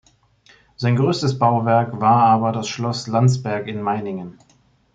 Sein größtes Bauwerk war aber das Schloss Landsberg in Meiningen.